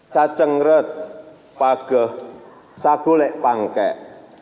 sacengret paguh sabulek pangkek